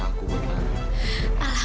tapi akan mudah lah